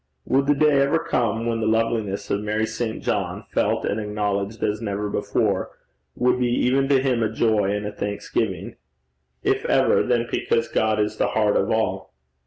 Would the day ever come when the loveliness of Mary St. John, felt and acknowledged as never before, would be even to him a joy and a thanksgiving? If ever, then because God is the heart of all.